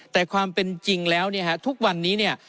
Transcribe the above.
แต่ความเป็นจริงแล้วเนี่ยฮะทุกวันนี้เนี่ย